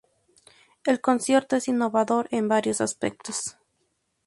El concierto es innovador en varios aspectos.